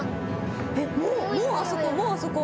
えっもうあそこもうあそこ。